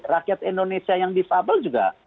rakyat indonesia yang disabel juga